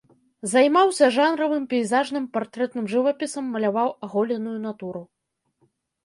Займаўся жанравым, пейзажным, партрэтным жывапісам, маляваў аголеную натуру.